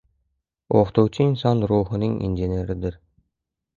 O‘qituvchi inson ruhining injeneridir.